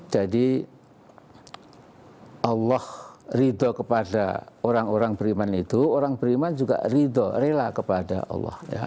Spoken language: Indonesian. allah ridho kepada orang orang beriman itu orang beriman juga ridho rela kepada allah